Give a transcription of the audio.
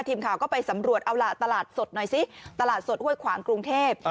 ทีมข่าวก็ไปสำรวจเอาล่ะตลาดสดหน่อยสิตลาดสดห้วยขวางกรุงเทพ